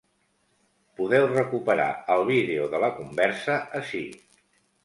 Podeu recuperar el vídeo de la conversa ací.